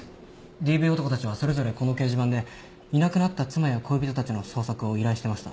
ＤＶ男たちはそれぞれこの掲示板でいなくなった妻や恋人たちの捜索を依頼してました。